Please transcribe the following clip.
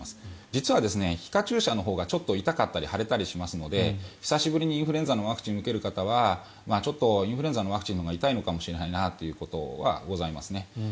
実は皮下注射のほうがちょっと痛かったり腫れたりしますので久しぶりにインフルエンザのワクチンを受ける方はちょっとインフルエンザのワクチンのほうが痛いかもしれないなというのはございますね。